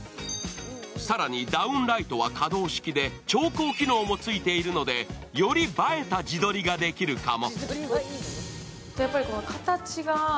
更にダウンライトは可動式で調光機能もついているのでより映えた自撮りができるかも。